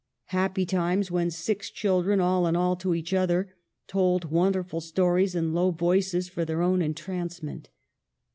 Happy times when six children, all in all to each other, told wonderful stories in low voices for their own entrancement.